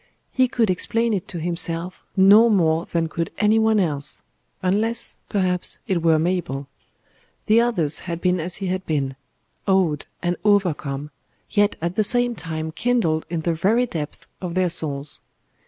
He could explain it to himself no more than could any one else unless, perhaps, it were Mabel. The others had been as he had been: awed and overcome, yet at the same time kindled in the very depths of their souls.